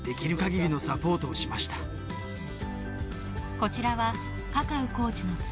こちらはカカウコーチの妻